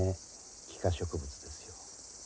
帰化植物ですよ。